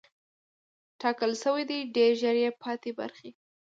ټاکل شوې ده ډېر ژر یې پاتې برخې